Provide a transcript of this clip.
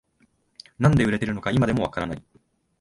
なんで売れてるのか今でもわからない